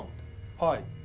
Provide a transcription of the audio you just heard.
はい。